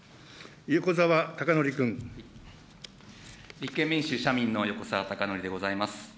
立憲民主・社民の横沢高徳でございます。